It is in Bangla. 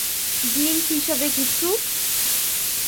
ড্রিংক হিসেবে কিছু?